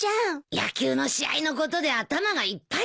野球の試合のことで頭がいっぱいなんだ。